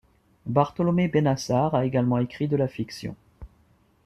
Bartolomé Bennassar a également écrit de la fiction.